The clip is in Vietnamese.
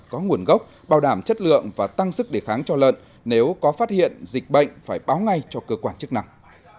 có nguồn gốc bảo đảm chất lượng và tăng sức đề kháng cho lợn nếu có phát hiện dịch bệnh phải báo ngay cho cơ quan chức năng